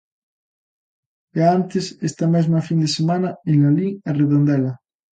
E, antes, esta mesma fin de semana, en Lalín e Redondela.